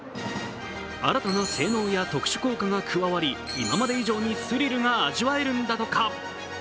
新たな性能や特殊効果が加わり、今まで以上にスリルが味わえるんだとか。